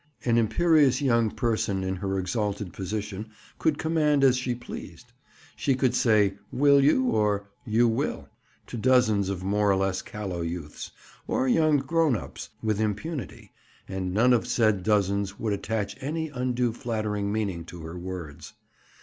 An imperious young person in her exalted position could command as she pleased. She could say "Will you?" or "You will" to dozens of more or less callow youths, or young grown ups, with impunity, and none of said dozens would attach any undue flattering meaning to her words.